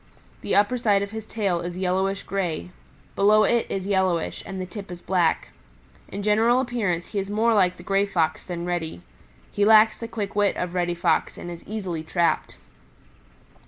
The upper side of his tail is yellowish gray, below it is yellowish, and the tip is black. In general appearance he is more like the Gray Fox than Reddy. He lacks the quick wit of Reddy Fox and is easily trapped.